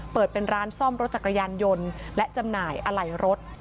เปิดเป็นร้านซ่อมรถจักรยานยนต์และจำหน่ายอะไหล่รถ